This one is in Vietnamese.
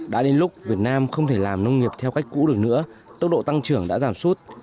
đã đến lúc việt nam không thể làm nông nghiệp theo cách cũ được nữa tốc độ tăng trưởng đã giảm suốt